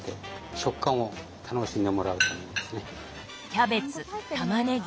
キャベツたまねぎ